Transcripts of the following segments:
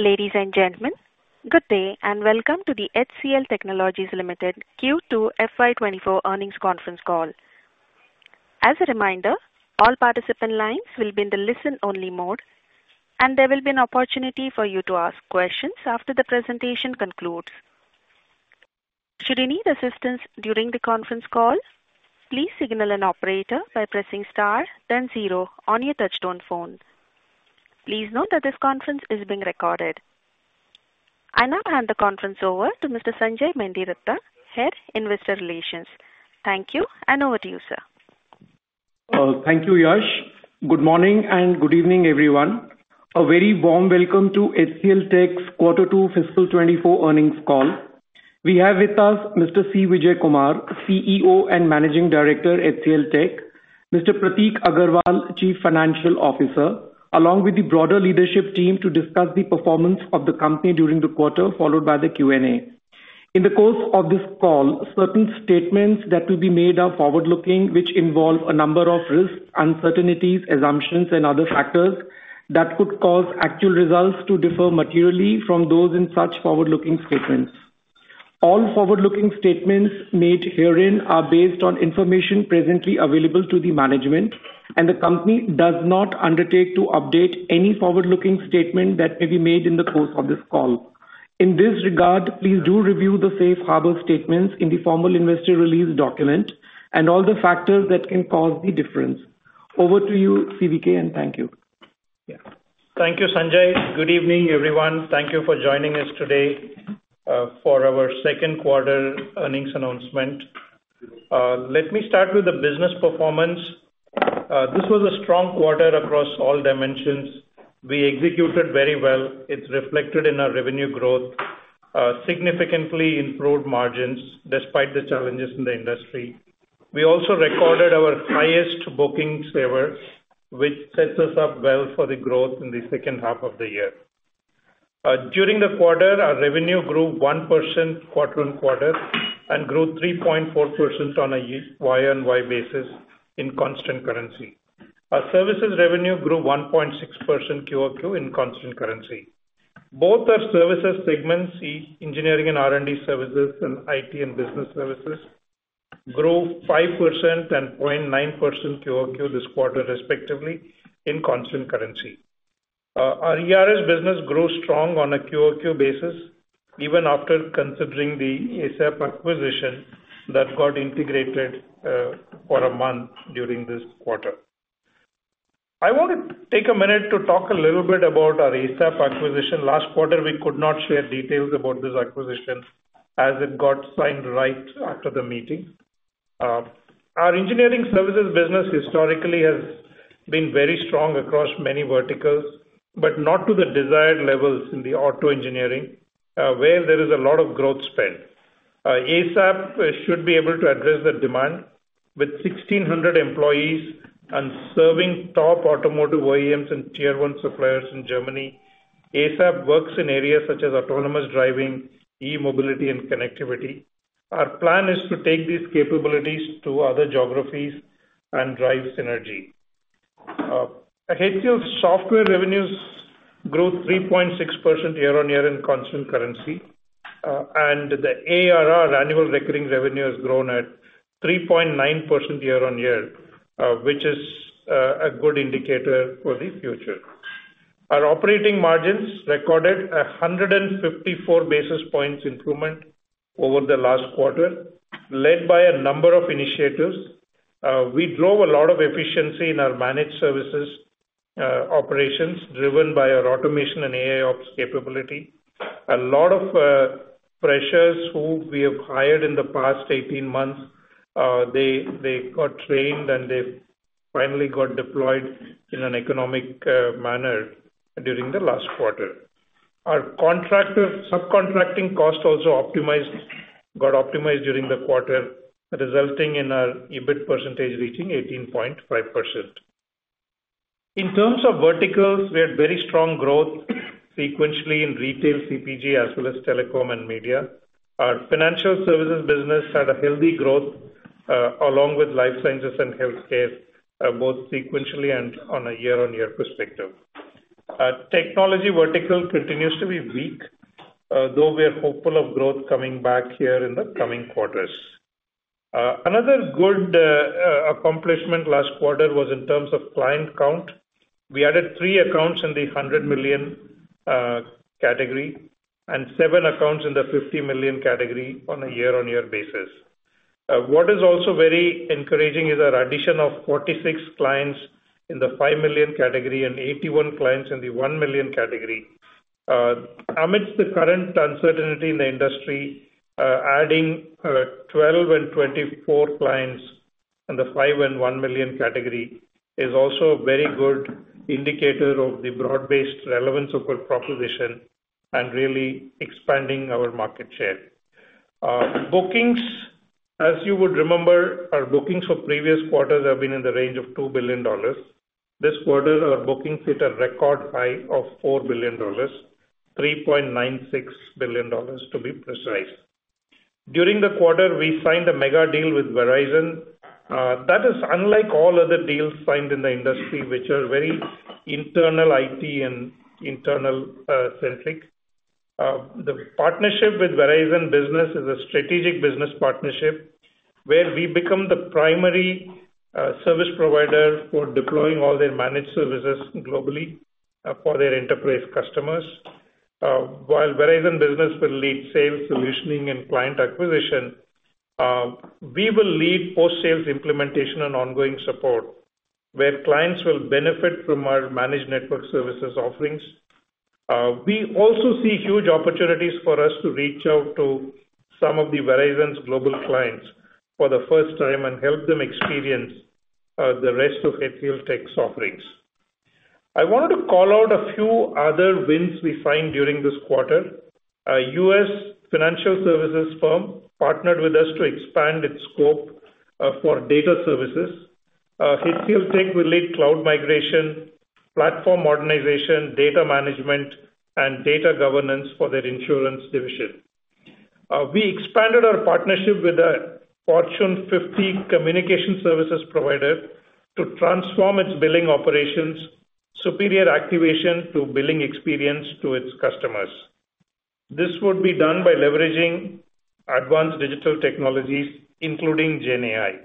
Ladies and gentlemen, good day, and welcome to the HCL Technologies Limited Q2 FY24 Earnings Conference Call. As a reminder, all participant lines will be in the listen-only mode, and there will be an opportunity for you to ask questions after the presentation concludes. Should you need assistance during the conference call, please signal an operator by pressing star then zero on your touchtone phone. Please note that this conference is being recorded. I now hand the conference over to Mr. Sanjay Mendiratta, Head, Investor Relations. Thank you, and over to you, sir. Thank you, Yash. Good morning, and good evening, everyone. A very warm welcome to HCLTech's Quarter Two Fiscal 2024 earnings call. We have with us Mr. C. Vijayakumar, CEO and Managing Director, HCLTech, Mr. Prateek Aggarwal, Chief Financial Officer, along with the broader leadership team, to discuss the performance of the company during the quarter, followed by the Q&A. In the course of this call, certain statements that will be made are forward-looking, which involve a number of risks, uncertainties, assumptions, and other factors that could cause actual results to differ materially from those in such forward-looking statements. All forward-looking statements made herein are based on information presently available to the management, and the company does not undertake to update any forward-looking statement that may be made in the course of this call. In this regard, please do review the safe harbor statements in the formal investor release document and all the factors that can cause the difference. Over to you, CVK, and thank you. Yeah. Thank you, Sanjay. Good evening, everyone. Thank you for joining us today for our second quarter earnings announcement. Let me start with the business performance. This was a strong quarter across all dimensions. We executed very well. It's reflected in our revenue growth, significantly improved margins despite the challenges in the industry. We also recorded our highest bookings ever, which sets us up well for the growth in the second half of the year. During the quarter, our revenue grew 1% quarter-on-quarter and grew 3.4% on a Y-on-Y basis in constant currency. Our services revenue grew 1.6% QOQ in constant currency. Both our services segments, Engineering and R&D Services and IT and Business Services, grew 5% and 0.9% QOQ this quarter, respectively, in constant currency. Our ERS business grew strong on a QOQ basis, even after considering the ASAP acquisition that got integrated, for a month during this quarter. I want to take a minute to talk a little bit about our ASAP acquisition. Last quarter, we could not share details about this acquisition as it got signed right after the meeting. Our engineering services business historically has been very strong across many verticals, but not to the desired levels in the auto engineering, where there is a lot of growth spend. ASAP should be able to address that demand with 1,600 employees and serving top automotive OEMs and Tier One suppliers in Germany. ASAP works in areas such as autonomous driving, e-mobility, and connectivity. Our plan is to take these capabilities to other geographies and drive synergy. HCL's software revenues grew 3.6% year-over-year in constant currency, and the ARR, annual recurring revenue, has grown at 3.9% year-over-year, which is a good indicator for the future. Our operating margins recorded a 154 basis points improvement over the last quarter, led by a number of initiatives. We drove a lot of efficiency in our managed services operations, driven by our automation and AIOps capability. A lot of freshers who we have hired in the past 18 months, they, they got trained, and they finally got deployed in an economic manner during the last quarter. Our contractor subcontracting cost also optimized, got optimized during the quarter, resulting in our EBIT percentage reaching 18.5%. In terms of verticals, we had very strong growth sequentially in retail CPG as well as telecom and media. Our financial services business had a healthy growth along with life sciences and healthcare both sequentially and on a year-on-year perspective. Technology vertical continues to be weak though we are hopeful of growth coming back here in the coming quarters. Another good accomplishment last quarter was in terms of client count. We added three accounts in the $100 million category and seven accounts in the $50 million category on a year-on-year basis. What is also very encouraging is our addition of 46 clients in the $5 million category and 81 clients in the $1 million category. Amidst the current uncertainty in the industry, adding 12 and 24 clients in the $5 and $1 million category is also a very good indicator of the broad-based relevance of our proposition and really expanding our market share. Bookings, as you would remember, our bookings for previous quarters have been in the range of $2 billion. This quarter, our bookings hit a record high of $4 billion, $3.96 billion, to be precise. During the quarter, we signed a mega deal with Verizon. That is unlike all other deals signed in the industry, which are very internal IT and internal centric. The partnership with Verizon Business is a strategic business partnership, where we become the primary service provider for deploying all their managed services globally for their enterprise customers. While Verizon Business will lead sales, solutioning, and client acquisition, we will lead post-sales implementation and ongoing support, where clients will benefit from our managed network services offerings. We also see huge opportunities for us to reach out to some of the Verizon's global clients for the first time and help them experience the rest of HCLTech's offerings. I wanted to call out a few other wins we find during this quarter. A US financial services firm partnered with us to expand its scope for data services. HCLTech will lead cloud migration, platform modernization, data management, and data governance for their insurance division. We expanded our partnership with a Fortune 50 communication services provider to transform its billing operations, superior activation to billing experience to its customers. This would be done by leveraging advanced digital technologies, including GenAI.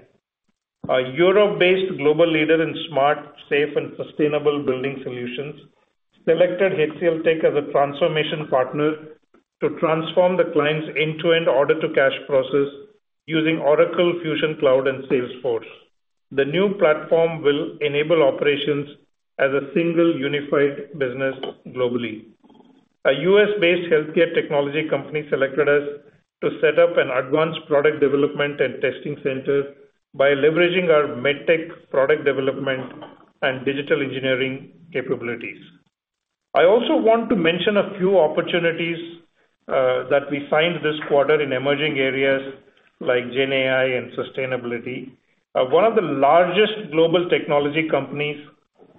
A Europe-based global leader in smart, safe and sustainable building solutions, selected HCLTech as a transformation partner to transform the client's end-to-end order-to-cash process using Oracle Fusion Cloud and Salesforce. The new platform will enable operations as a single, unified business globally. A US-based healthcare technology company selected us to set up an advanced product development and testing center by leveraging our med tech product development and digital engineering capabilities. I also want to mention a few opportunities, that we find this quarter in emerging areas like GenAI and sustainability. One of the largest global technology companies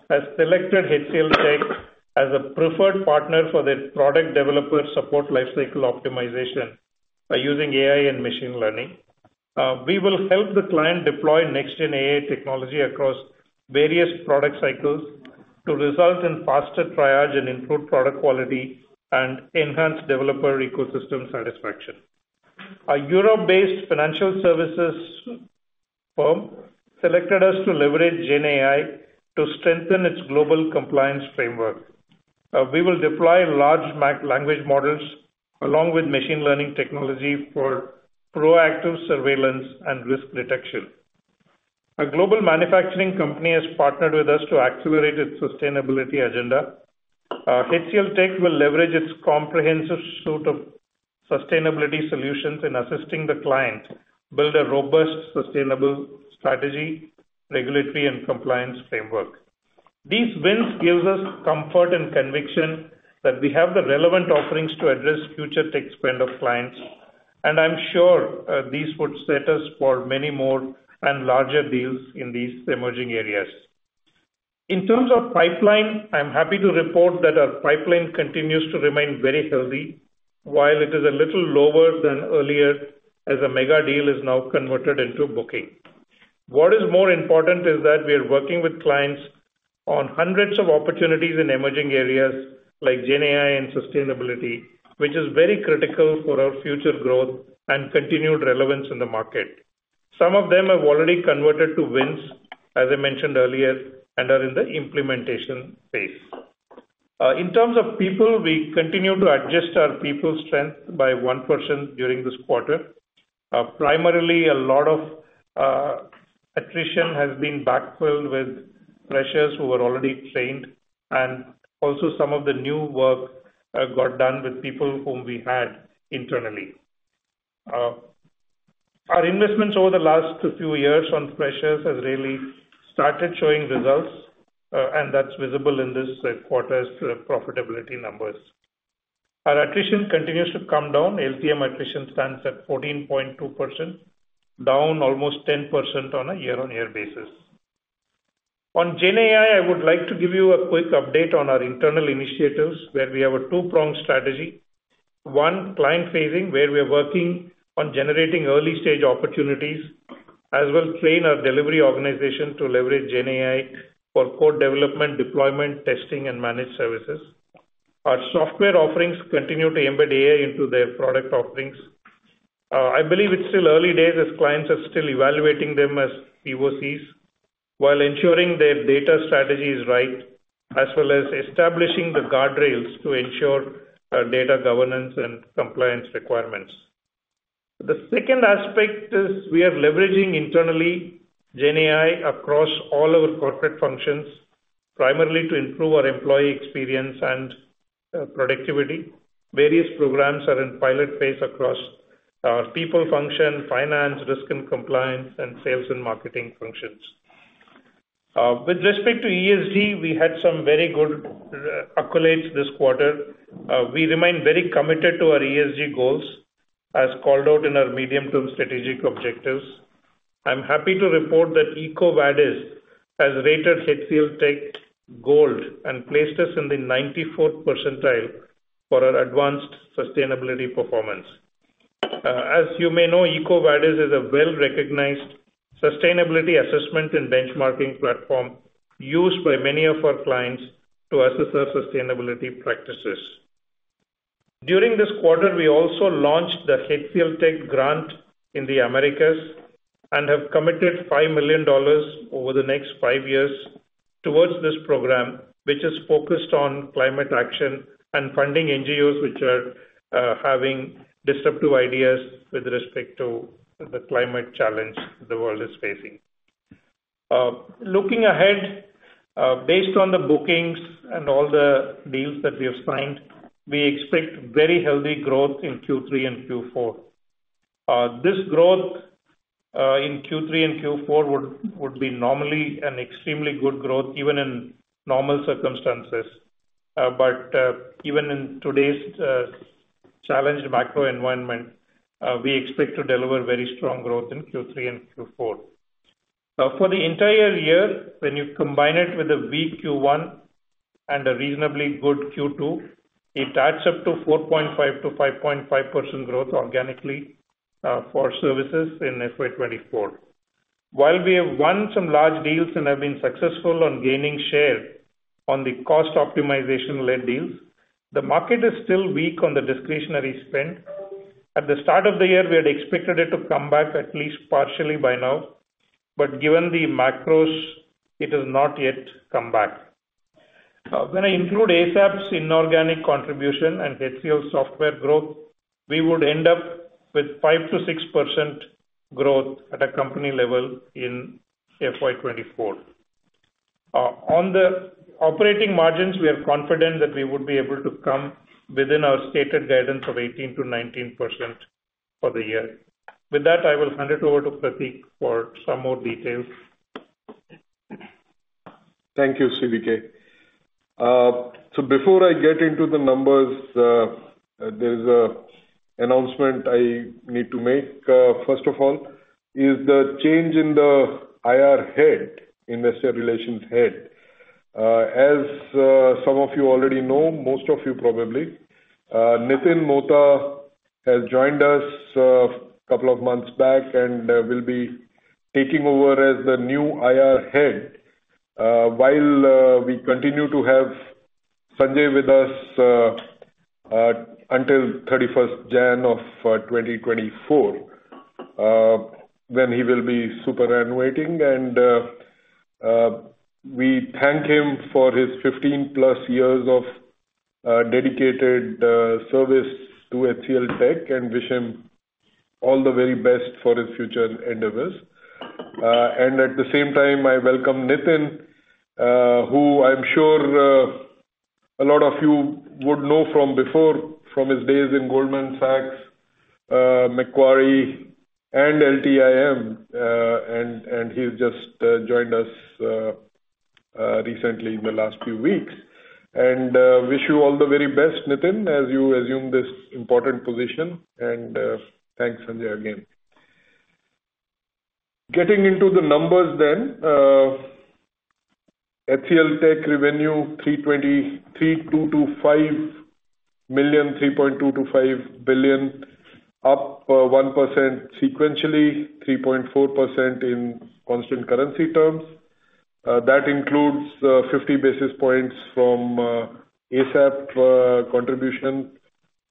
has selected HCLTech as a preferred partner for their product developer support lifecycle optimization by using AI and machine learning. We will help the client deploy next gen AI technology across various product cycles to result in faster triage and improved product quality and enhanced developer ecosystem satisfaction. A Europe-based financial services firm selected us to leverage GenAI to strengthen its global compliance framework. We will deploy large language models along with machine learning technology for proactive surveillance and risk detection. A global manufacturing company has partnered with us to accelerate its sustainability agenda. HCLTech will leverage its comprehensive suite of sustainability solutions in assisting the client build a robust, sustainable strategy, regulatory, and compliance framework. These wins gives us comfort and conviction that we have the relevant offerings to address future tech spend of clients, and I'm sure, these would set us for many more and larger deals in these emerging areas. In terms of pipeline, I'm happy to report that our pipeline continues to remain very healthy, while it is a little lower than earlier, as a mega deal is now converted into a booking. What is more important is that we are working with clients on hundreds of opportunities in emerging areas like GenAI and sustainability, which is very critical for our future growth and continued relevance in the market. Some of them have already converted to wins, as I mentioned earlier, and are in the implementation phase. In terms of people, we continue to adjust our people strength by one person during this quarter. Primarily, a lot of attrition has been backfilled with freshers who were already trained, and also some of the new work got done with people whom we had internally. Our investments over the last few years on freshers has really started showing results, and that's visible in this quarter's profitability numbers. Our attrition continues to come down. LTM attrition stands at 14.2%, down almost 10% on a year-on-year basis. On GenAI, I would like to give you a quick update on our internal initiatives, where we have a two-pronged strategy. One, client-facing, where we are working on generating early-stage opportunities, as we'll train our delivery organization to leverage GenAI for code development, deployment, testing, and managed services. Our software offerings continue to embed AI into their product offerings. I believe it's still early days as clients are still evaluating them as POCs, while ensuring their data strategy is right, as well as establishing the guardrails to ensure data governance and compliance requirements. The second aspect is we are leveraging internally GenAI across all our corporate functions, primarily to improve our employee experience and productivity. Various programs are in pilot phase across our people function, finance, risk and compliance, and sales and marketing functions. With respect to ESG, we had some very good accolades this quarter. We remain very committed to our ESG goals, as called out in our medium-term strategic objectives. I'm happy to report that EcoVadis has rated HCLTech Gold and placed us in the 94th percentile for our advanced sustainability performance. As you may know, EcoVadis is a well-recognized sustainability assessment and benchmarking platform used by many of our clients to assess our sustainability practices. During this quarter, we also launched the HCLTech Grant in the Americas, and have committed $5 million over the next five years towards this program, which is focused on climate action and funding NGOs, which are having disruptive ideas with respect to the climate challenge the world is facing. Looking ahead, based on the bookings and all the deals that we have signed, we expect very healthy growth in Q3 and Q4. This growth in Q3 and Q4 would be normally an extremely good growth, even in normal circumstances. But even in today's challenged macro environment, we expect to deliver very strong growth in Q3 and Q4. Now, for the entire year, when you combine it with a weak Q1 and a reasonably good Q2, it adds up to 4.5%-5.5% growth organically for services in FY 2024. While we have won some large deals and have been successful on gaining share on the cost optimization-led deals, the market is still weak on the discretionary spend. At the start of the year, we had expected it to come back at least partially by now, but given the macros, it has not yet come back. When I include ASAP's inorganic contribution and HCL Software growth, we would end up with 5%-6% growth at a company level in FY 2024. On the operating margins, we are confident that we would be able to come within our stated guidance of 18%-19% for the year. With that, I will hand it over to Prateek for some more details. Thank you, CVK. So before I get into the numbers, there's an announcement I need to make. First of all, is the change in the IR head, Investor Relations head. As some of you already know, most of you probably, Nitin Mohta has joined us a couple of months back, and will be taking over as the new IR head. While we continue to have Sanjay with us until 31 January 2024, then he will be superannuating. We thank him for his 15+ years of dedicated service to HCLTech, and wish him all the very best for his future endeavors. And at the same time, I welcome Nitin, who I'm sure a lot of you would know from before, from his days in Goldman Sachs, Macquarie, and LTIM. And he's just joined us recently in the last few weeks. And wish you all the very best, Nitin, as you assume this important position. And thanks, Sanjay, again. Getting into the numbers then. HCLTech revenue, $3,225 million, $3.225 billion, up 1% sequentially, 3.4% in constant currency terms. That includes 50 basis points from ASAP contribution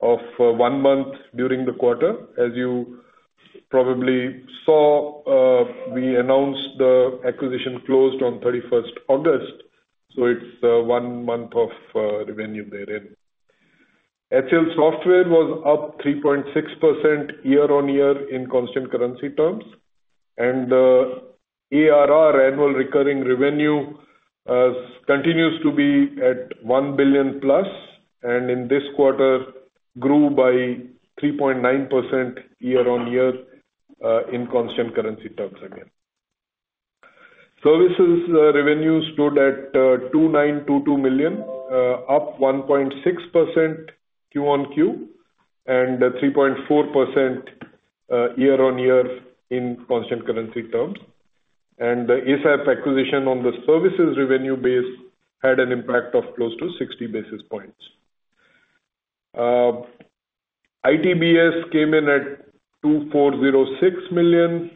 of one month during the quarter. As you probably saw, we announced the acquisition closed on 31st August, so it's one month of revenue therein. HCL Software was up 3.6% year-on-year in constant currency terms, and ARR, annual recurring revenue, continues to be at $1 billion plus, and in this quarter, grew by 3.9% year-on-year in constant currency terms again. Services revenues stood at $2,922 million, up 1.6% Q-on-, and 3.4% year-on-year in constant currency terms. The ASAP acquisition on the services revenue base had an impact of close to 60 basis points. ITBS came in at $2,406 million,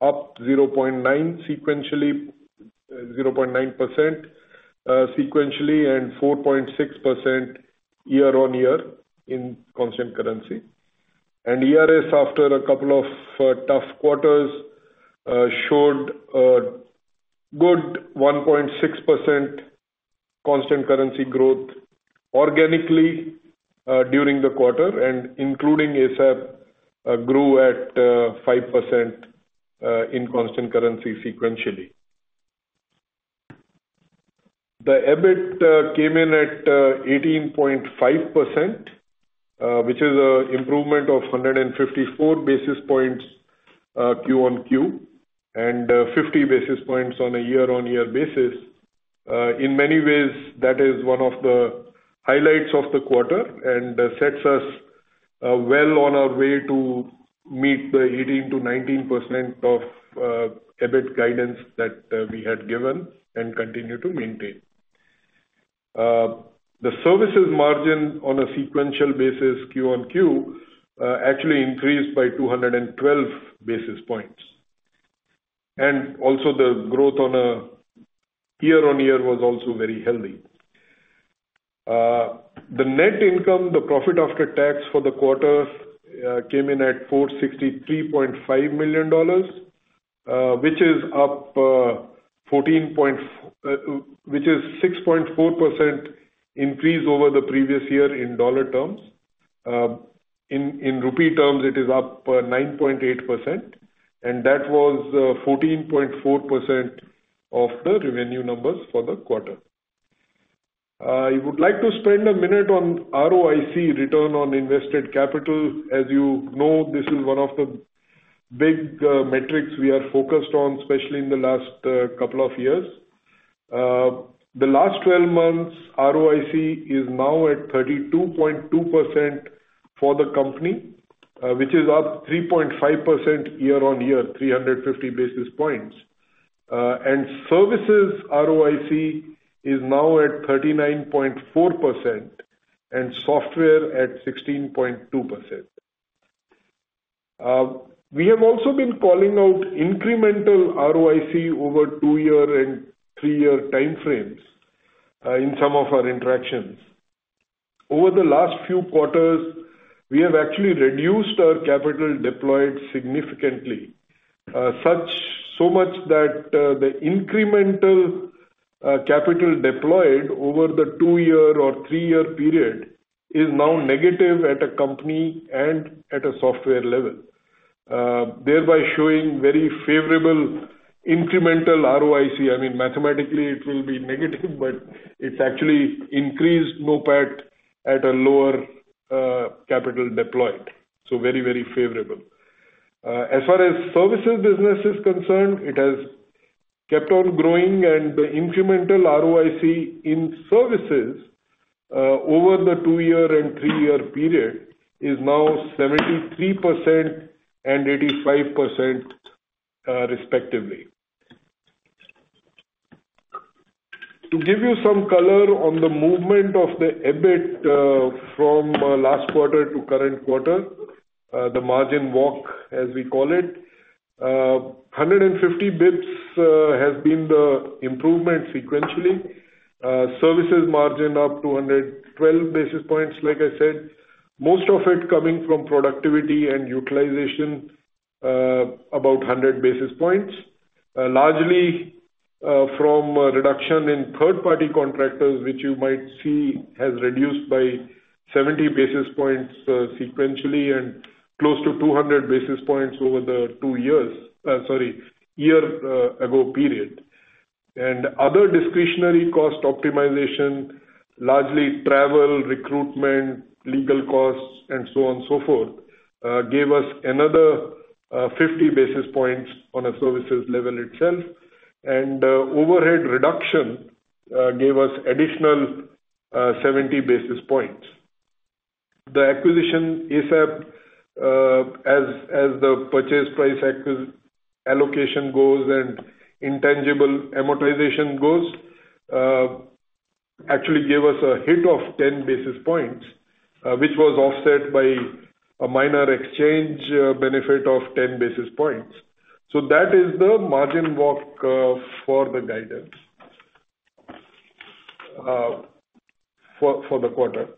up 0.9% sequentially, 0.9% sequentially, and 4.6% year-on-year in constant currency. ERS, after a couple of tough quarters, showed a good 1.6% constant currency growth organically during the quarter, and including ASAP, grew at 5% in constant currency sequentially. The EBIT came in at 18.5%, which is an improvement of 154 basis points Q-on-Q, and 50 basis points on a year-on-year basis. In many ways, that is one of the highlights of the quarter and sets us... well on our way to meet the 18%-19% EBIT guidance that we had given and continue to maintain. The services margin on a sequential basis, Q-on-Q, actually increased by 212 basis points, and also the growth on a year-on-year was also very healthy. The net income, the profit after tax for the quarter, came in at $463.5 million, which is up, fourteen point- which is a 6.4% increase over the previous year in dollar terms. In rupee terms, it is up 9.8%, and that was 14.4% of the revenue numbers for the quarter. I would like to spend a minute on ROIC, return on invested capital. As you know, this is one of the big metrics we are focused on, especially in the last couple of years. The last twelve months, ROIC is now at 32.2% for the company, which is up 3.5% year-on-year, 350 basis points. And services ROIC is now at 39.4% and software at 16.2%. We have also been calling out incremental ROIC over two-year and three-year time frames in some of our interactions. Over the last few quarters, we have actually reduced our capital deployed significantly, so much that the incremental capital deployed over the two-year or three-year period is now negative at a company and at a software level, thereby showing very favorable incremental ROIC. I mean, mathematically, it will be negative, but it's actually increased NOPAT at a lower capital deployed, so very, very favorable. As far as services business is concerned, it has kept on growing, and the incremental ROIC in services over the two-year and three-year period is now 73% and 85%, respectively. To give you some color on the movement of the EBIT from last quarter to current quarter, the margin walk, as we call it, 150 basis points has been the improvement sequentially. Services margin up 212 basis points, like I said, most of it coming from productivity and utilization, about 100 basis points. Largely from a reduction in third-party contractors, which you might see has reduced by 70 basis points sequentially, and close to 200 basis points over the two years, sorry, year ago period. And other discretionary cost optimization, largely travel, recruitment, legal costs, and so on and so forth, gave us another 50 basis points on a services level itself, and overhead reduction gave us additional 70 basis points. The acquisition, ASAP, as the purchase price actual allocation goes and intangible amortization goes, actually gave us a hit of 10 basis points, which was offset by a minor exchange benefit of 10 basis points. So that is the margin walk for the guidance for the quarter.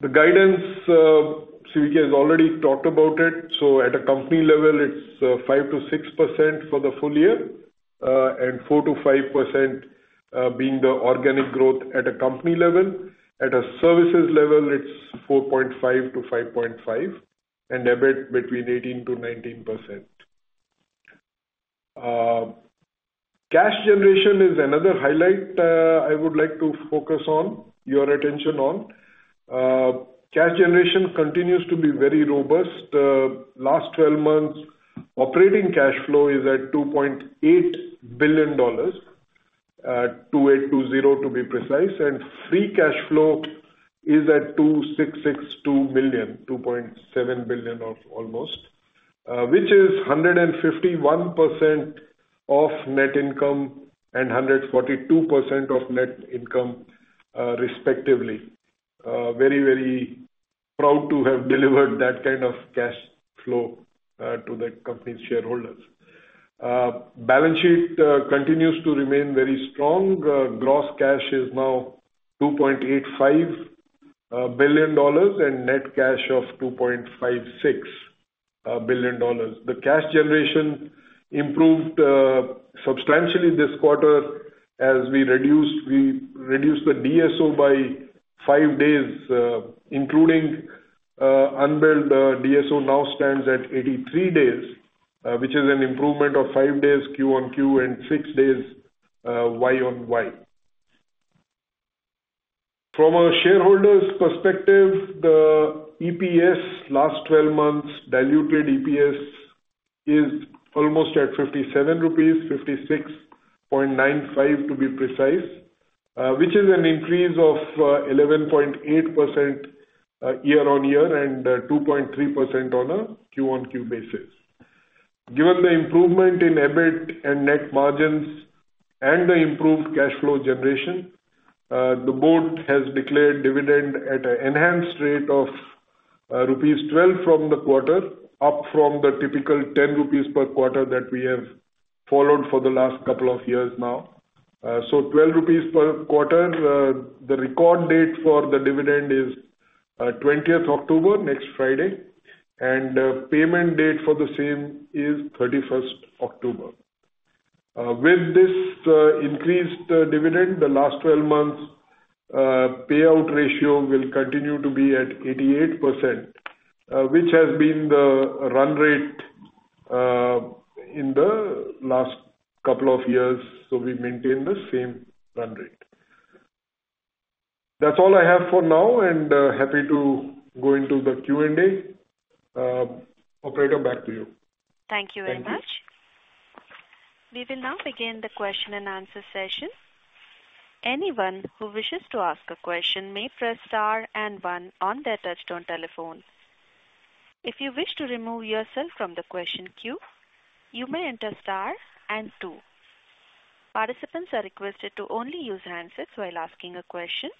The guidance, CVK has already talked about it, so at a company level, it's 5%-6% for the full year, and 4%-5% being the organic growth at a company level. At a services level, it's 4.5%-5.5%, and EBIT 18%-19%. Cash generation is another highlight I would like to focus your attention on. Cash generation continues to be very robust. Last twelve months, operating cash flow is at $2.8 billion, $2,820 million to be precise, and free cash flow is at $2,662 million, $2.7 billion almost, which is 151% of net income and 142% of net income, respectively. Very, very proud to have delivered that kind of cash flow to the company's shareholders. Balance sheet continues to remain very strong. Gross cash is now $2.85 billion and net cash of $2.56 billion. The cash generation improved substantially this quarter as we reduced the DSO by 5 days, including unbilled. DSO now stands at 83 days, which is an improvement of 5 days Q-on-Q and 6 days year-on-year. From a shareholder's perspective, the EPS last twelve months, diluted EPS is almost at 57 rupees, 56.95 to be precise, which is an increase of 11.8% year-on-year and 2.3% on a Q-on-Q basis. Given the improvement in EBIT and net margins and the improved cash flow generation, the board has declared dividend at an enhanced rate of rupees twelve from the quarter, up from the typical 10 rupees per quarter that we have followed for the last couple of years now. So 12 rupees per quarter. The record date for the dividend is 20th October, next Friday, and the payment date for the same is 31st October. With this increased dividend, the last 12 months payout ratio will continue to be at 88%, which has been the run rate in the last couple of years, so we maintain the same run rate. That's all I have for now, and happy to go into the Q&A. Operator, back to you. Thank you very much. Thank you. We will now begin the question and answer session. Anyone who wishes to ask a question may press star and one on their touchtone telephone. If you wish to remove yourself from the question queue, you may enter star and two. Participants are requested to only use handsets while asking a question.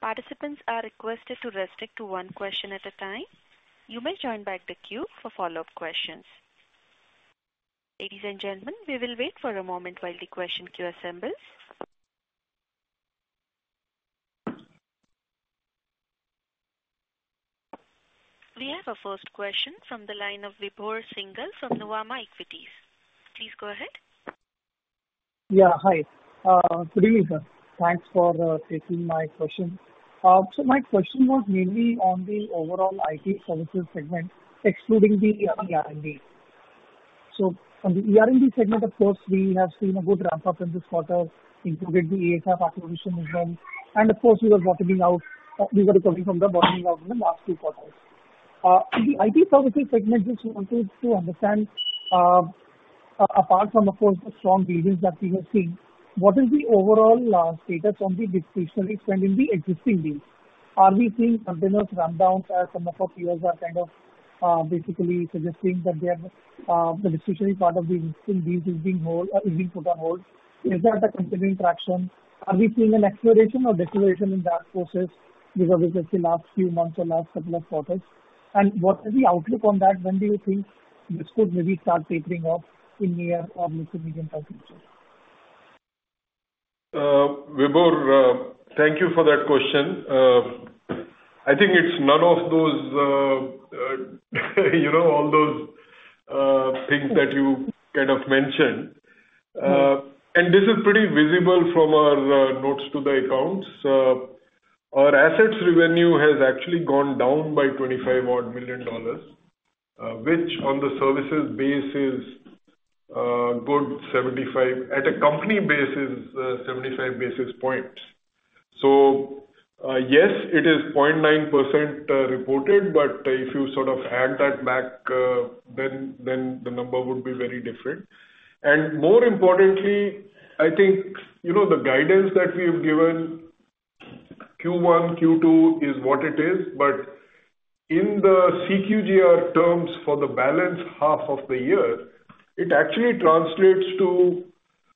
Participants are requested to restrict to one question at a time. You may join back the queue for follow-up questions. Ladies and gentlemen, we will wait for a moment while the question queue assembles. We have a first question from the line of Vibhor Singhal from Nuvama Equities. Please go ahead. Yeah. Hi. Good evening, sir. Thanks for taking my question. So my question was mainly on the overall IT services segment, excluding the ER&D. So on the ER&D segment, of course, we have seen a good ramp-up in this quarter, including the ASAP acquisition as well. And of course, we were bottoming out, we were recovering from the bottoming out in the last two quarters. In the IT services segment, just wanted to understand, apart from, of course, the strong deals that we have seen, what is the overall status on the discretionary spend in the existing deals? Are we seeing continuous rundowns, as some of our peers are kind of basically suggesting that they are, the discretionary part of the existing deals is being hold- is being put on hold. Is that a continuing traction? Are we seeing an acceleration or deceleration in that process because we've seen last few months or last couple of quarters? And what is the outlook on that? When do you think this could maybe start tapering off in the year or maybe in the coming future? Vibhor, thank you for that question. I think it's none of those, you know, all those things that you kind of mentioned. And this is pretty visible from our notes to the accounts. Our assets revenue has actually gone down by $25 million, which on the services base is good 75- at a company base is 75 basis points. So, yes, it is 0.9%, reported, but if you sort of add that back, then the number would be very different. And more importantly, I think, you know, the guidance that we've given Q1, Q2 is what it is, but in the CQGR terms for the balance half of the year, it actually translates to...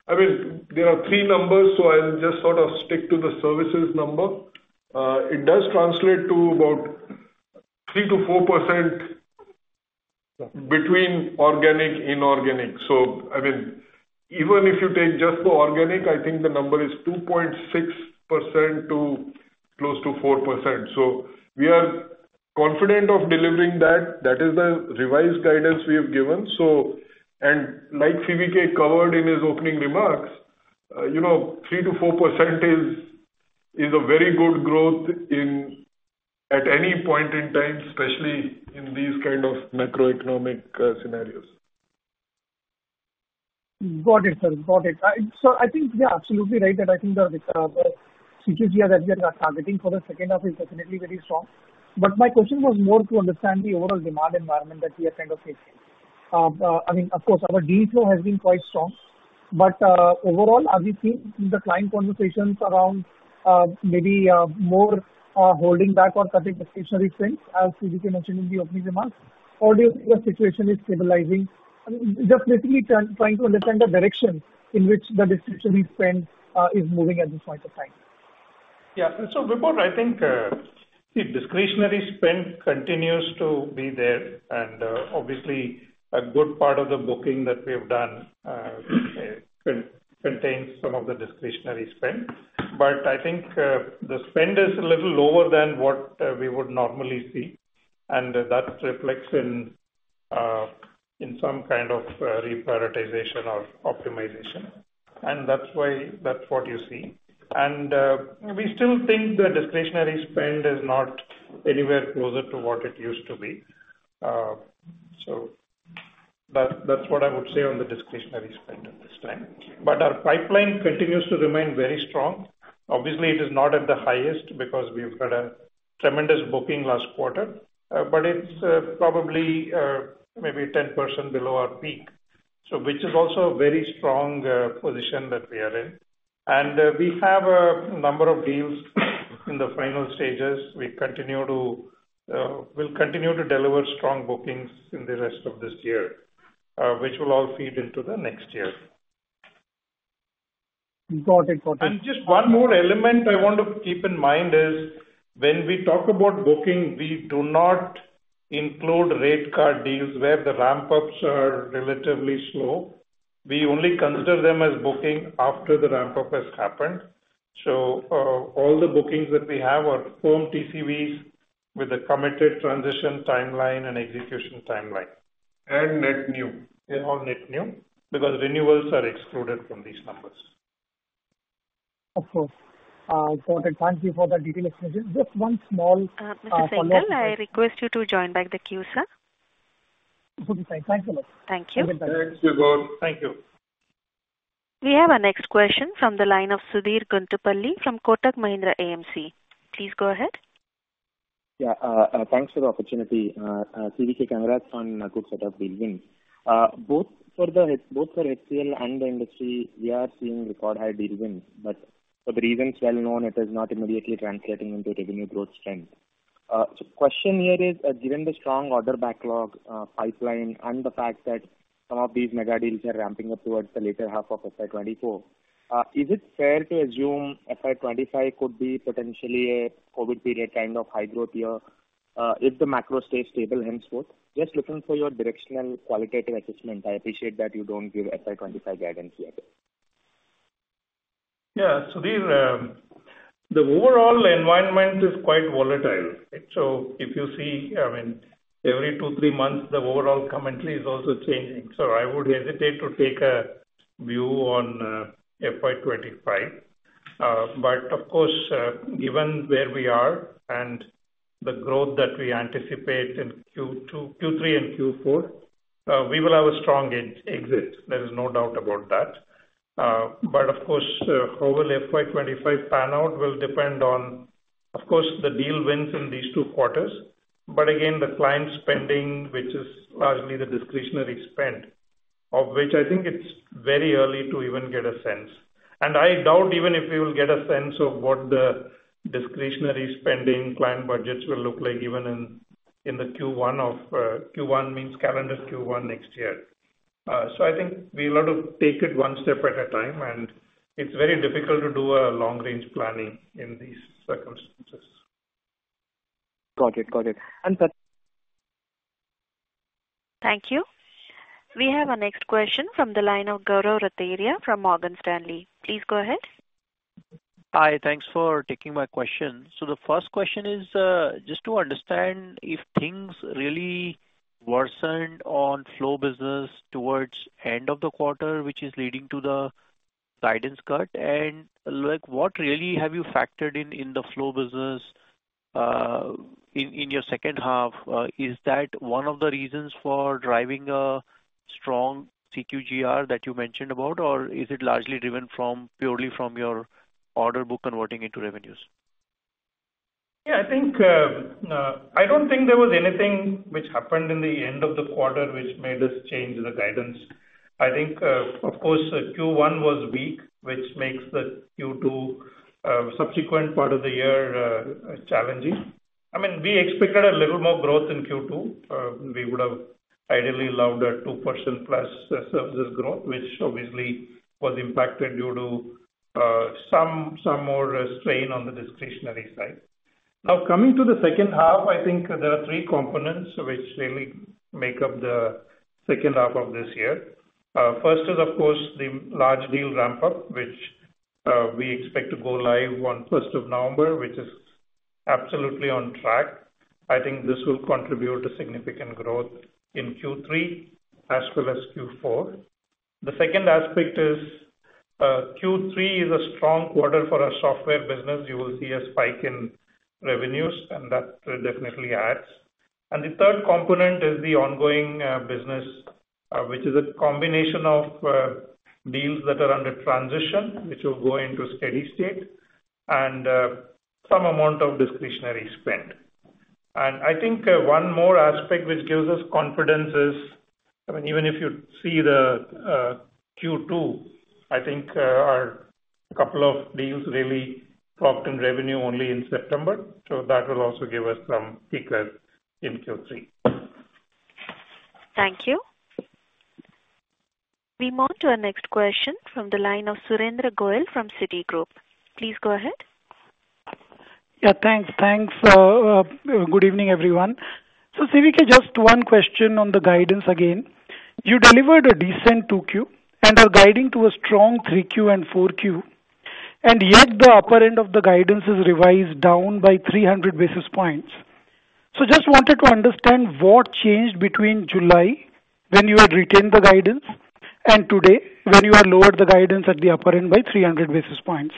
I mean, there are three numbers, so I'll just sort of stick to the services number. It does translate to about 3%-4% between organic, inorganic. So I mean, even if you take just the organic, I think the number is 2.6% to close to 4%. So we are confident of delivering that. That is the revised guidance we have given. So, and like CVK covered in his opening remarks, you know, 3%-4% is a very good growth in at any point in time, especially in these kind of macroeconomic scenarios. Got it, sir. Got it. So I think you're absolutely right, that I think the, the CQGR that we are targeting for the second half is definitely very strong. But my question was more to understand the overall demand environment that we are kind of facing. I mean, of course, our deal flow has been quite strong. But, overall, are we seeing the client conversations around, maybe, more, holding back on cutting discretionary spend, as CVK mentioned in the opening remarks, or the situation is stabilizing? I mean, just literally trying to understand the direction in which the discretionary spend, is moving at this point in time. Yeah. So, Vibhor, I think, the discretionary spend continues to be there, and, obviously, a good part of the booking that we've done, contains some of the discretionary spend. But I think, the spend is a little lower than what we would normally see, and that reflects in, in some kind of, reprioritization or optimization. And that's why- that's what you see. And, we still think the discretionary spend is not anywhere closer to what it used to be. So- ... That, that's what I would say on the discretionary spend at this time. But our pipeline continues to remain very strong. Obviously, it is not at the highest because we've had a tremendous booking last quarter, but it's probably maybe 10% below our peak. So which is also a very strong position that we are in. And we have a number of deals in the final stages. We continue to, we'll continue to deliver strong bookings in the rest of this year, which will all feed into the next year. Important point. Just one more element I want to keep in mind is, when we talk about booking, we do not include rate card deals where the ramp ups are relatively slow. We only consider them as booking after the ramp up has happened. So, all the bookings that we have are firm TCVs with a committed transition timeline and execution timeline, and net new. They're all net new, because renewals are excluded from these numbers. Of course. Thank you for the detailed explanation. Just one small, Mr. Singhal, I request you to join back the queue, sir. Okay, fine. Thanks a lot. Thank you. Thanks, Govardhan. Thank you. We have our next question from the line of Sudheer Guntupalli from Kotak Mahindra AMC. Please go ahead. Yeah, thanks for the opportunity. CVK, congrats on a good set of deal wins. Both for HCL and the industry, we are seeing record high deal wins, but for the reasons well known, it is not immediately translating into revenue growth strength. So question here is, given the strong order backlog, pipeline, and the fact that some of these mega deals are ramping up towards the latter half of FY 2024, is it fair to assume FY 2025 could be potentially a COVID period kind of high growth year, if the macro stays stable henceforth? Just looking for your directional qualitative assessment. I appreciate that you don't give FY 2025 guidance yet. Yeah, Sudheer, the overall environment is quite volatile. So if you see, I mean, every 2-3 months, the overall commentary is also changing, so I would hesitate to take a view on FY 25. But of course, given where we are and the growth that we anticipate in Q2, Q3 and Q4, we will have a strong exit. There is no doubt about that. But of course, how will FY 25 pan out will depend on, of course, the deal wins in these two quarters. But again, the client spending, which is largely the discretionary spend, of which I think it's very early to even get a sense. And I doubt even if we will get a sense of what the discretionary spending client budgets will look like, even in the Q1 of, Q1 means calendar Q1 next year. I think we want to take it one step at a time, and it's very difficult to do long-range planning in these circumstances. Got it. Got it. And thank- Thank you. We have our next question from the line of Gaurav Rateria from Morgan Stanley. Please go ahead. Hi, thanks for taking my question. So the first question is, just to understand if things really worsened on flow business towards end of the quarter, which is leading to the guidance cut? And, like, what really have you factored in, in the flow business, in your second half? Is that one of the reasons for driving a strong CQGR that you mentioned about, or is it largely driven from, purely from your order book converting into revenues? Yeah, I think I don't think there was anything which happened in the end of the quarter which made us change the guidance. I think, of course, Q1 was weak, which makes the Q2, subsequent part of the year, challenging. I mean, we expected a little more growth in Q2. We would have ideally loved a 2%+ services growth, which obviously was impacted due to some more strain on the discretionary side. Now, coming to the second half, I think there are three components which really make up the second half of this year. First is, of course, the large deal ramp up, which we expect to go live on first of November, which is absolutely on track. I think this will contribute a significant growth in Q3 as well as Q4. The second aspect is, Q3 is a strong quarter for our software business. You will see a spike in revenues, and that definitely adds. And the third component is the ongoing business, which is a combination of deals that are under transition, which will go into steady state and some amount of discretionary spend. And I think one more aspect which gives us confidence is, I mean, even if you see the Q2, I think our couple of deals really propped in revenue only in September, so that will also give us some sequel in Q3. Thank you. We move to our next question from the line of Surendra Goyal from Citigroup. Please go ahead. Yeah, thanks. Thanks, good evening, everyone. So CVK, just one question on the guidance again. You delivered a decent 2Q, and are guiding to a strong 3Q and 4Q, and yet the upper end of the guidance is revised down by 300 basis points. So just wanted to understand what changed between July, when you had retained the guidance, and today, when you have lowered the guidance at the upper end by 300 basis points?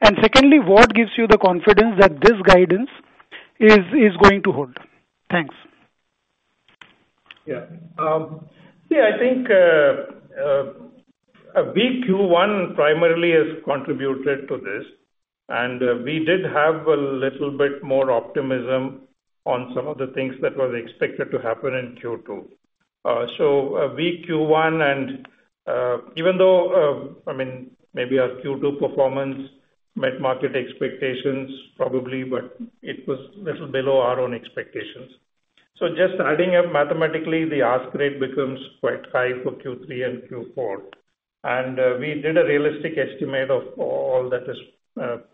And secondly, what gives you the confidence that this guidance-... is going to hold? Thanks. Yeah. Yeah, I think, a weak Q1 primarily has contributed to this, and we did have a little bit more optimism on some of the things that were expected to happen in Q2. So a weak Q1 and, even though, I mean, maybe our Q2 performance met market expectations, probably, but it was a little below our own expectations. So just adding up mathematically, the ask rate becomes quite high for Q3 and Q4. And, we did a realistic estimate of all that is,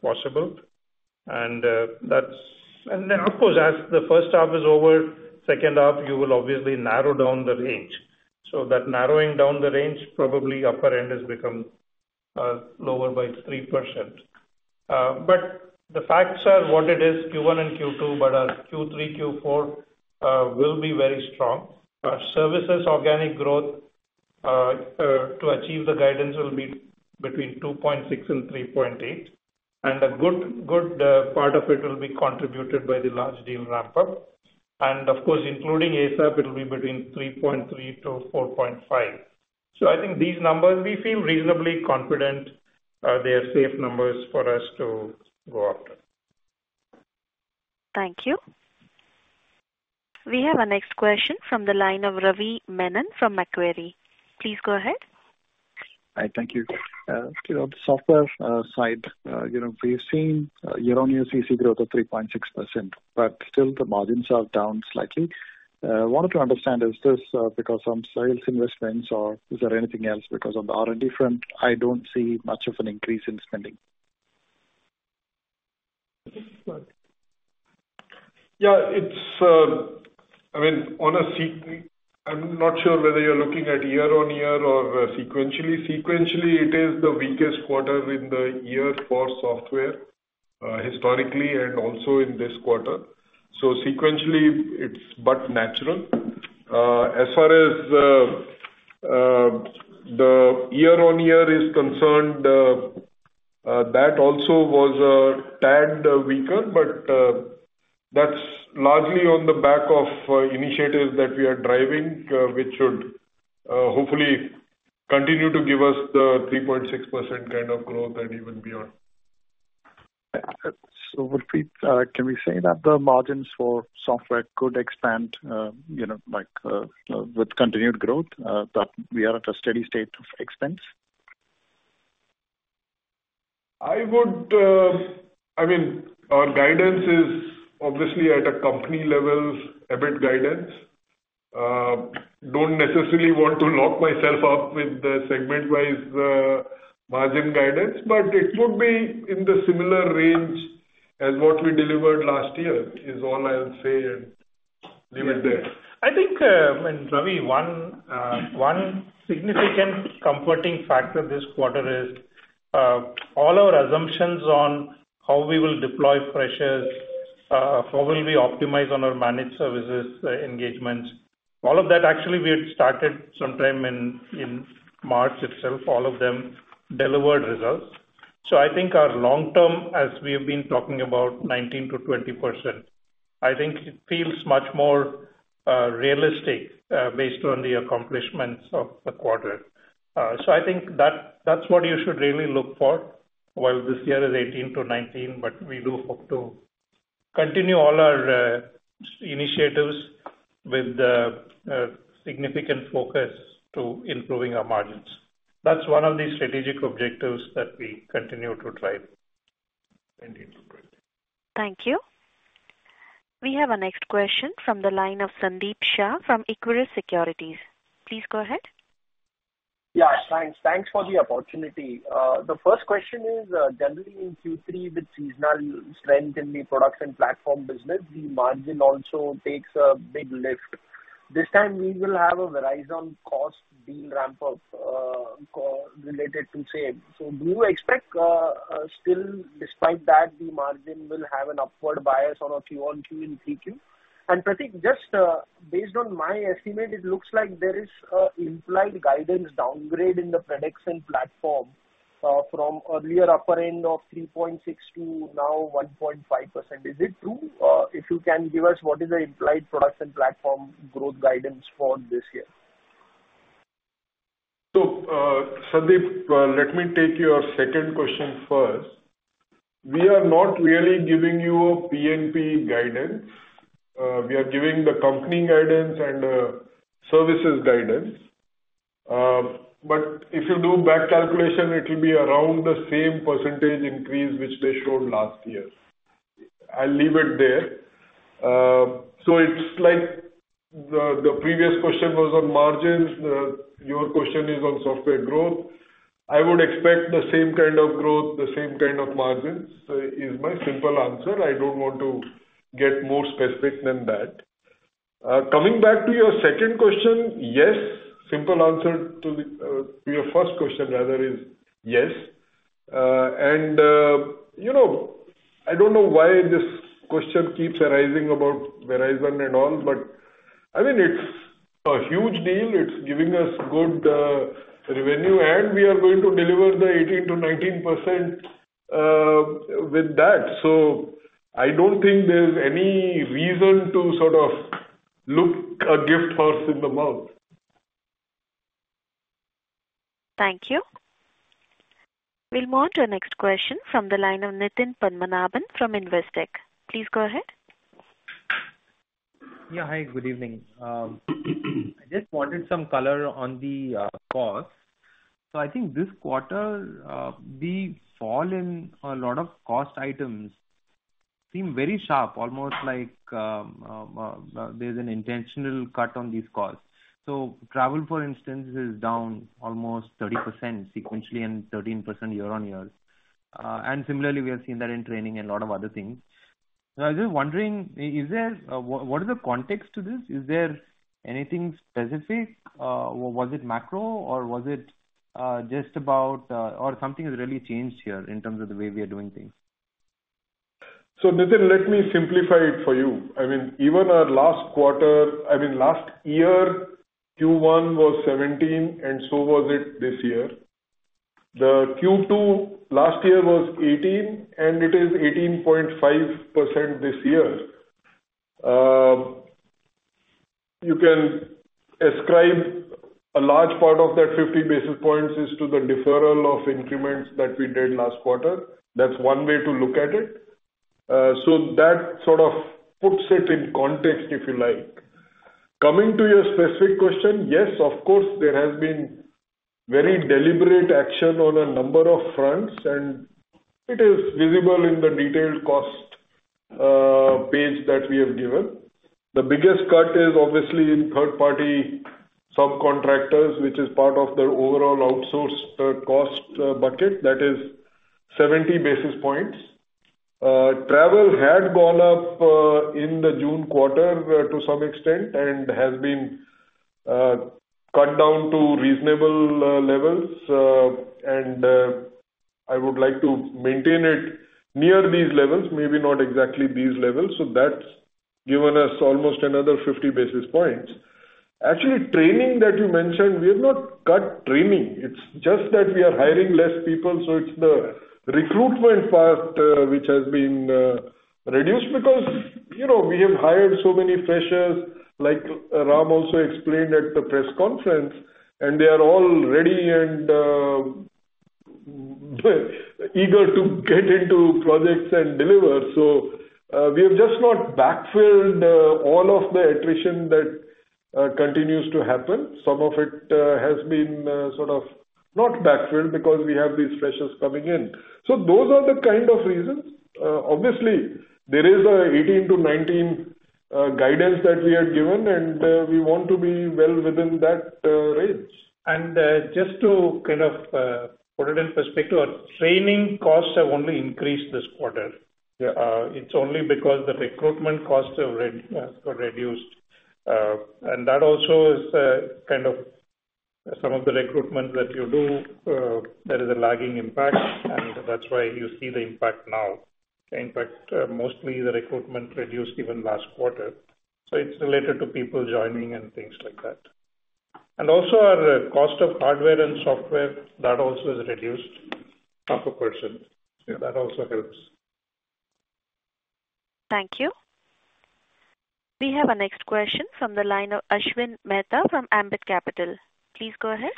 possible, and, and then, of course, as the first half is over, second half, you will obviously narrow down the range. So that narrowing down the range, probably upper end has become, lower by 3%. The facts are what it is, Q1 and Q2, but our Q3, Q4 will be very strong. Our services organic growth, to achieve the guidance, will be between 2.6-3.8, and a good, good part of it will be contributed by the large deal ramp-up. Of course, including ASAP, it will be between 3.3-4.5. I think these numbers, we feel reasonably confident, they are safe numbers for us to go after. Thank you. We have our next question from the line of Ravi Menon from Macquarie. Please go ahead. Hi, thank you. On the software side, you know, we've seen year-on-year CC growth of 3.6%, but still the margins are down slightly. I wanted to understand, is this because some sales investments or is there anything else? Because on the R&D front, I don't see much of an increase in spending. Yeah, it's... I mean, on a – I'm not sure whether you're looking at year-on-year or sequentially. Sequentially, it is the weakest quarter in the year for software, historically and also in this quarter. So sequentially, it's but natural. As far as the year-on-year is concerned, that also was a tad weaker, but that's largely on the back of initiatives that we are driving, which should hopefully continue to give us the 3.6% kind of growth and even beyond. So, Prateek. can we say that the margins for software could expand, you know, like, with continued growth, that we are at a steady state of expense? I would, I mean, our guidance is obviously at a company level, EBIT guidance. Don't necessarily want to lock myself up with the segment-wise margin guidance, but it would be in the similar range as what we delivered last year, is all I'll say and leave it there. I think, Ravi, one significant comforting factor this quarter is, all our assumptions on how we will deploy pressures, how will we optimize on our managed services engagements, all of that actually we had started sometime in March itself, all of them delivered results. So I think our long term, as we have been talking about 19%-20%, I think it feels much more realistic, based on the accomplishments of the quarter. So I think that, that's what you should really look for, while this year is 18%-19%, but we do hope to continue all our initiatives with a significant focus to improving our margins. That's one of the strategic objectives that we continue to drive, 19%-20%. Thank you. We have our next question from the line of Sandeep Shah from Equirus Securities. Please go ahead. Yeah, thanks. Thanks for the opportunity. The first question is, generally in Q3, with seasonal strength in the Production Platform business, the margin also takes a big lift. This time we will have a Verizon cost deal ramp up, correlated to same. So do you expect, still, despite that, the margin will have an upward bias on a Q-on-Q in 3Q? And Prateek, just, based on my estimate, it looks like there is a implied guidance downgrade in the Production Platform, from earlier upper end of 3.6 to now 1.5%. Is it true? If you can give us what is the implied Production Platform growth guidance for this year. So, Sandeep, let me take your second question first. We are not really giving you a P&P guidance. We are giving the company guidance and, services guidance. But if you do back calculation, it will be around the same percentage increase which they showed last year. I'll leave it there. So it's like the, the previous question was on margins. Your question is on software growth. I would expect the same kind of growth, the same kind of margins, is my simple answer. I don't want to get more specific than that. Coming back to your second question, yes, simple answer to the, to your first question, rather, is yes. And, you know, I don't know why this question keeps arising about Verizon and all, but. I mean, it's a huge deal. It's giving us good revenue, and we are going to deliver the 18%-19% with that. So I don't think there's any reason to sort of look a gift horse in the mouth. Thank you. We'll move to our next question from the line of Nitin Padmanabhan from Investec. Please go ahead. Yeah, hi, good evening. I just wanted some color on the, cost. So I think this quarter, the fall in a lot of cost items seem very sharp, almost like, there's an intentional cut on these costs. So travel, for instance, is down almost 30% sequentially and 13% year-on-year. And similarly, we have seen that in training and a lot of other things. I was just wondering, is there... what, what is the context to this? Is there anything specific, or was it macro, or was it, just about, or something has really changed here in terms of the way we are doing things? So, Nitin, let me simplify it for you. I mean, even our last quarter, I mean, last year, Q1 was 17, and so was it this year. The Q2 last year was 18, and it is 18.5% this year. You can ascribe a large part of that 50 basis points is to the deferral of increments that we did last quarter. That's one way to look at it. So that sort of puts it in context, if you like. Coming to your specific question, yes, of course, there has been very deliberate action on a number of fronts, and it is visible in the detailed cost page that we have given. The biggest cut is obviously in third-party subcontractors, which is part of the overall outsourced cost budget, that is 70 basis points. Travel had gone up in the June quarter to some extent and has been cut down to reasonable levels. And I would like to maintain it near these levels, maybe not exactly these levels. So that's given us almost another 50 basis points. Actually, training that you mentioned, we have not cut training. It's just that we are hiring less people, so it's the recruitment part which has been reduced because, you know, we have hired so many freshers, like Ram also explained at the press conference, and they are all ready and eager to get into projects and deliver. So, we have just not backfilled all of the attrition that continues to happen. Some of it has been sort of not backfilled because we have these freshers coming in. So those are the kind of reasons. Obviously, there is a 18-19 guidance that we had given, and we want to be well within that range. Just to kind of put it in perspective, our training costs have only increased this quarter. It's only because the recruitment costs have reduced. And that also is kind of some of the recruitment that you do, there is a lagging impact, and that's why you see the impact now. In fact, mostly the recruitment reduced even last quarter, so it's related to people joining and things like that. And also, our cost of hardware and software, that also is reduced per person. That also helps. Thank you. We have our next question from the line of Ashwin Mehta from Ambit Capital. Please go ahead.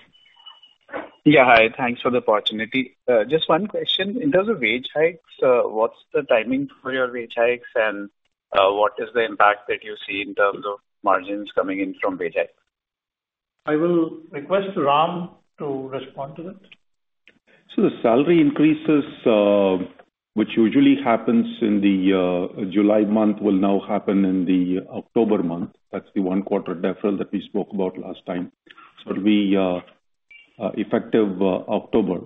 Yeah, hi. Thanks for the opportunity. Just one question. In terms of wage hikes, what's the timing for your wage hikes, and what is the impact that you see in terms of margins coming in from wage hikes? I will request Ram to respond to that. So the salary increases, which usually happens in the July month, will now happen in the October month. That's the one-quarter deferral that we spoke about last time. So it'll be effective October.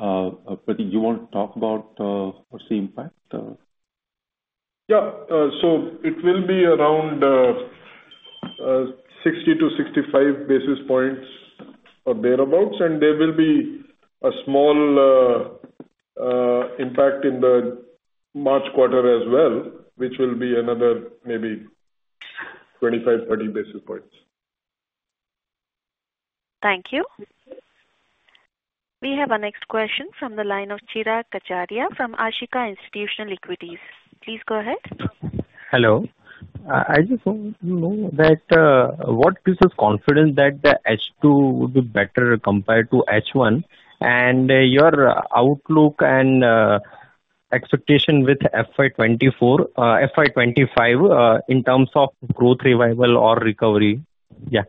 Prateek, you want to talk about what's the impact? Yeah. So it will be around 60-65 basis points or thereabout, and there will be a small impact in the March quarter as well, which will be another maybe 25-30 basis points. Thank you. We have our next question from the line of Chirag Kachhadiya from Ashika Institutional Equities. Please go ahead. Hello. I just want to know that, what gives us confidence that the H2 will be better compared to H1, and your outlook and, expectation with FY 2024, FY 2025, in terms of growth, revival or recovery? Yeah.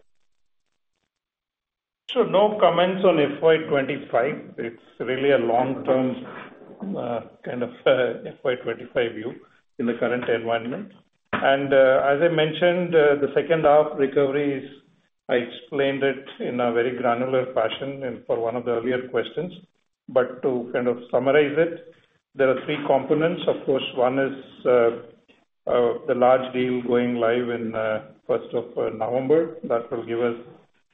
So no comments on FY 25. It's really a long-term, kind of, FY 25 view in the current environment. As I mentioned, the second half recovery is I explained it in a very granular fashion and for one of the earlier questions. But to kind of summarize it, there are three components. Of course, one is, the large deal going live in, first of, November. That will give us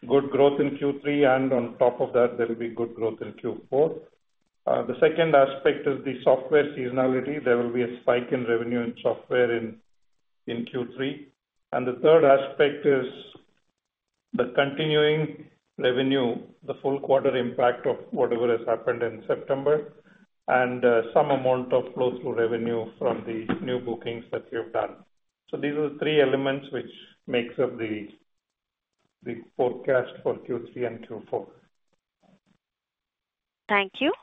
good growth in Q3, and on top of that, there will be good growth in Q4. The second aspect is the software seasonality. There will be a spike in revenue and software in Q3. And the third aspect is the continuing revenue, the full quarter impact of whatever has happened in September, and some amount of flow-through revenue from the new bookings that we have done. So these are the three elements which makes up the forecast for Q3 and Q4. Thank you.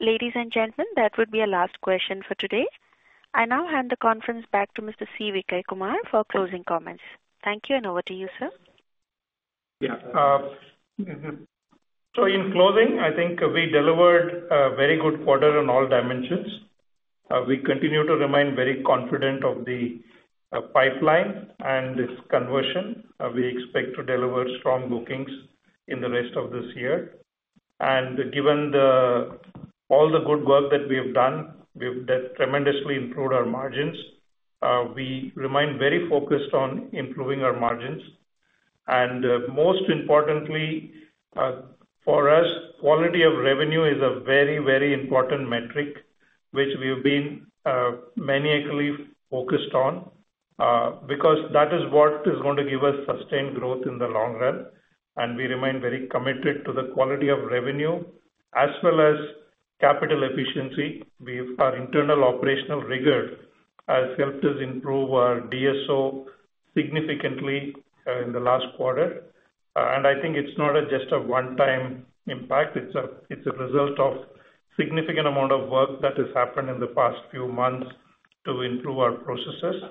Ladies and gentlemen, that would be our last question for today. I now hand the conference back to Mr. C. Vijayakumar for closing comments. Thank you, and over to you, sir. Yeah, mm-hmm. In closing, I think we delivered a very good quarter on all dimensions. We continue to remain very confident of the pipeline and its conversion. We expect to deliver strong bookings in the rest of this year. Given all the good work that we have done, we've tremendously improved our margins. We remain very focused on improving our margins. Most importantly, for us, quality of revenue is a very, very important metric, which we've been maniacally focused on, because that is what is going to give us sustained growth in the long run. We remain very committed to the quality of revenue as well as capital efficiency. Our internal operational rigor has helped us improve our DSO significantly in the last quarter. And I think it's not a just a one-time impact, it's a result of significant amount of work that has happened in the past few months to improve our processes.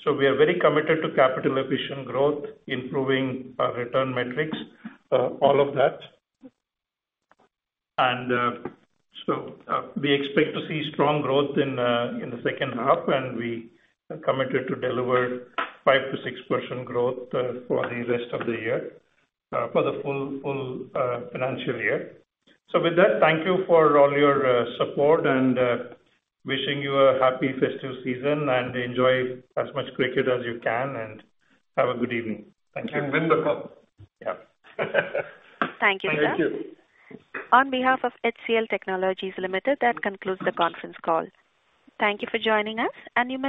So we are very committed to capital efficient growth, improving our return metrics, all of that. And, so, we expect to see strong growth in the second half, and we are committed to deliver 5%-6% growth, for the rest of the year, for the full, full, financial year. So with that, thank you for all your support, and, wishing you a happy festive season, and enjoy as much cricket as you can, and have a good evening. Thank you. And win the cup. Yeah. Thank you, sir. Thank you. On behalf of HCL Technologies Limited, that concludes the conference call. Thank you for joining us, and you may-